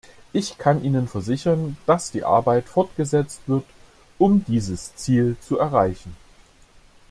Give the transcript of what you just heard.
Ich kann Ihnen versichern, dass die Arbeit fortgesetzt wird, um dieses Ziel zu erreichen.